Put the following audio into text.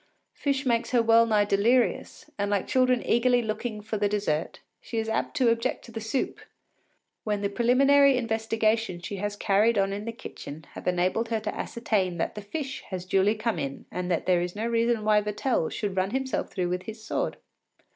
Fish makes her well nigh delirious, and like children eagerly looking for the dessert, she is apt to object to the soup, when the preliminary investigations she has carried on in the kitchen have enabled her to ascertain that the fish has duly come in and that there is no reason why Vatel should run himself through with his sword.